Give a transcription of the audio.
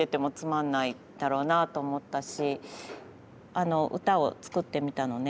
あの歌を作ってみたのね。